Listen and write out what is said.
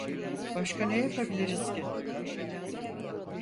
Başka ne yapabiliriz ki?